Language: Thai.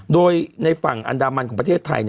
โดยในฝั่งอันดามันของประเทศไทย